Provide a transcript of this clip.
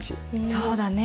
そうだね。